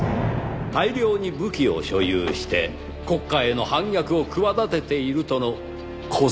大量に武器を所有して国家への反逆を企てているとの工作を始めました。